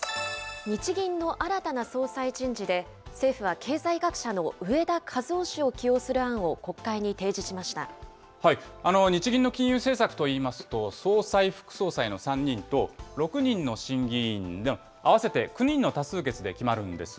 日銀の新たな総裁人事で、政府は経済学者の植田和男氏を起用する日銀の金融政策といいますと、総裁・副総裁の３人と、６人の審議委員の合わせて９人の多数決で決まるんです。